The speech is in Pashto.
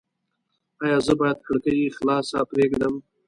ایا زه باید کړکۍ خلاصه پریږدم؟